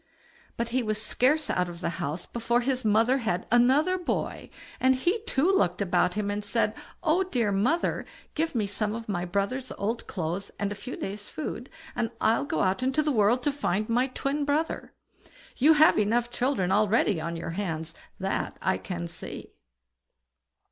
But he was scarce out of the house before his mother had another boy, and he too looked about him, and said: "Oh, dear mother! give me some of my brother's old clothes and a few days' food, and I'll go out into the world to find my twin brother; you have children enough already on your hands, that I can see."